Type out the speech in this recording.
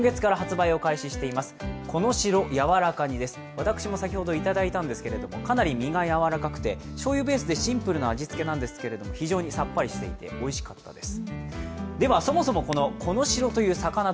私も先ほどいただいたんですけれども、かなり身が柔らかくてしょうゆベースでシンプルな味付けなんですけど非常にさっぱりしていておいしかったです。